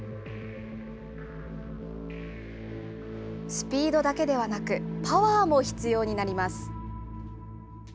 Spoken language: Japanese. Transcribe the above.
スピードだけではなく、パワーも必要になります。